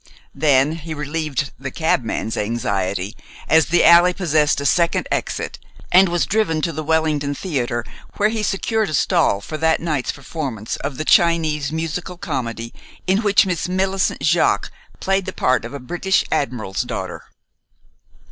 Then he relieved the cabman's anxiety, as the alley possessed a second exit, and was driven to the Wellington Theater, where he secured a stall for that night's performance of the Chinese musical comedy in which Miss Millicent Jaques played the part of a British Admiral's daughter.